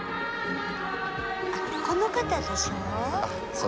あっこの方でしょう。